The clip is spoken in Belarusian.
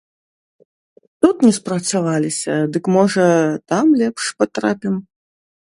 Тут не спрацаваліся, дык, можа, там лепш патрапім.